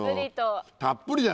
たっぷりと。